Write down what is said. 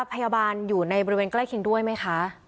พยาบาลอยู่ในบริเวณใกล้เคียงด้วยไหมคะ